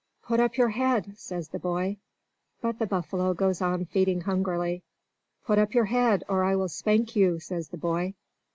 "Put up your head!" says the boy. But the buffalo goes on feeding hungrily. "Put up your head, or I will spank you!" says the boy.